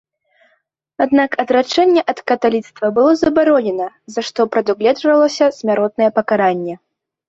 Аднак адрачэнне ад каталіцтва было забаронена, за што прадугледжвалася смяротнае пакаранне.